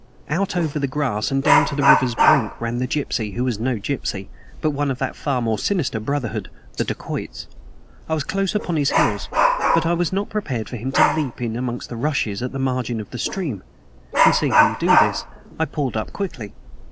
Out over the grass and down to the river's brink ran the gypsy who was no gypsy, but one of that far more sinister brotherhood, the dacoits. I was close upon his heels. But I was not prepared for him to leap in among the rushes at the margin of the stream; and seeing him do this I pulled up quickly.